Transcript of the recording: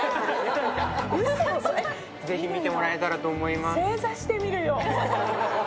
ぜひ、見てもらえたらと思います。